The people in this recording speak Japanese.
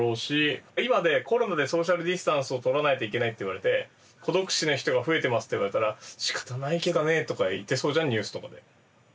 今コロナでソーシャルディスタンスを取らないといけないって言われて孤独死の人が増えてますって言われたら仕方ないけどねとか言ってそうじゃんニュースとかで。